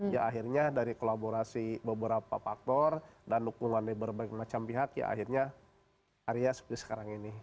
ya akhirnya dari kolaborasi beberapa faktor dan dukungan dari berbagai macam pihak ya akhirnya area seperti sekarang ini